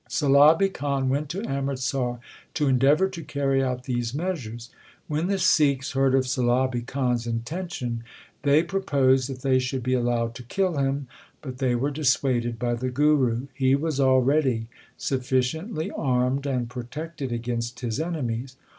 Sulabi Khan went to Amritsar to endeavour to carry out these measures. When the Sikhs heard of Sulabi Khan s intention they proposed that they should be allowed to kill him, but they were dissuaded by the Guru. He was already sufficiently armed and protected against his enemies.